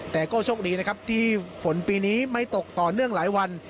แต่ก็โชคดีนะครับที่ฝนปีนี้ไม่ตกต่อเนื่องหลายวัน